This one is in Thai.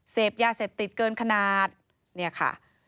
เสพยาเสพติดเกินขนาดเนี่ยค่ะ